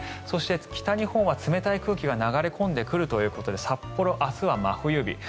そして、北日本は冷たい空気が流れ込んでくるということで札幌、明日は真冬日。